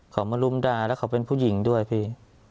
เขามารุมด่าแล้วเขาเป็นผู้หญิงด้วยพี่